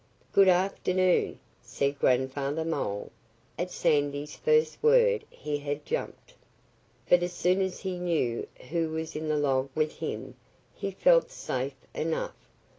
"Good afternoon!" said Grandfather Mole. At Sandy's first word he had jumped. But as soon as he knew who was in the log with him he felt safe enough.